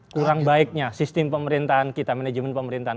kurang baiknya sistem pemerintahan kita manajemen pemerintahan